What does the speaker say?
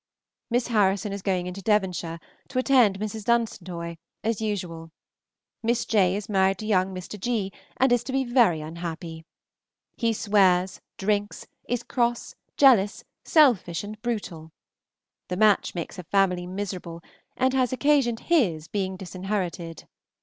Miss Harrison is going into Devonshire, to attend Mrs. Dusantoy, as usual. Miss J. is married to young Mr. G., and is to be very unhappy. He swears, drinks, is cross, jealous, selfish, and brutal. The match makes her family miserable, and has occasioned his being disinherited.